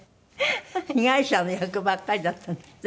被害者の役ばっかりだったんですって？